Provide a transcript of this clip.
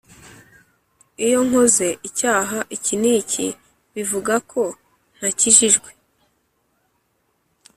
Iyo nkoze icyaha iki n'iki, bivuga ko ntakijijwe?